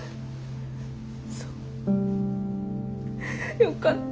そうよかった。